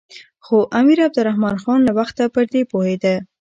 خو امیر عبدالرحمن خان له وخته پر دې پوهېده.